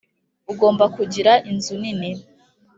ugomba kugira inzu nini.